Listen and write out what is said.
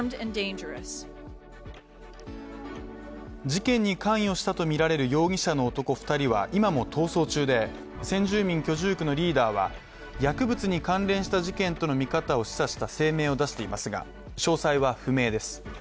事件に関与したとみられる容疑者の男２人は今も逃走中で先住民居住区のリーダーは、薬物に関連した事件との見方を示唆した声明を出していますが詳細は不明です。